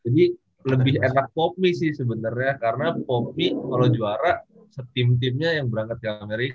jadi lebih enak popme sih sebenernya karena popme kalo juara setim timnya yang berangkat ke amerika